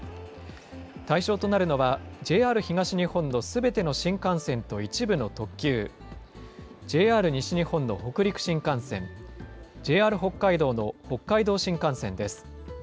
対象となるのは、ＪＲ東日本のすべての新幹線と一部の特急、ＪＲ西日本の北陸新幹線、ＪＲ北海道の北海道新幹線です。